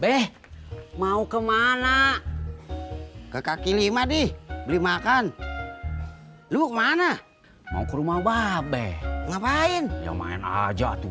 beh mau kemana ke kk lima di beli makan lu mana mau ke rumah wabbe ngapain yang main aja tuh